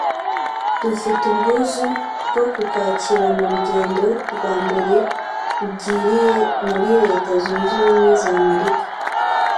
Dufite ubwuzu bwo kukwakira mu rugendo rwa mbere ugiriye muri Leta Zunze Ubumwe za Amerika